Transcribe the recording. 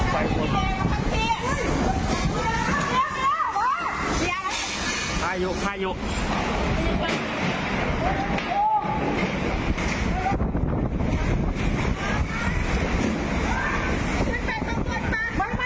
ไม่คุณจะขึ้นไป